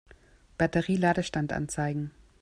Batterie-Ladestand anzeigen.